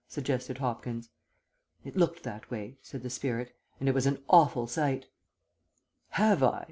suggested Hopkins. "It looked that way," said the spirit, "and it was an awful sight. "'Have I?'